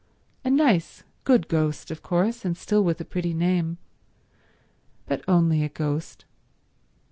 A nice good ghost, of course, and still with a pretty name, but only a ghost.